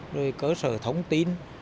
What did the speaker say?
rồi cơ sở thông tin